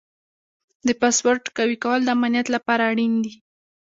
د پاسورډ قوي کول د امنیت لپاره اړین دي.